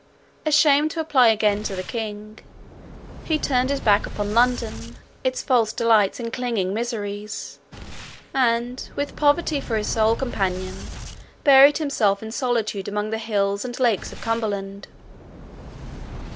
Ashamed to apply again to the king, he turned his back upon London, its false delights and clinging miseries; and, with poverty for his sole companion, buried himself in solitude among the hills and lakes of Cumberland.